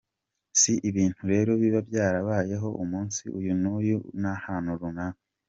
Si ibintu rero biba byarabayeho umunsi uyu n’uyu n’ahantu runaka.